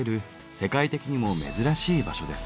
世界的にも珍しい場所です。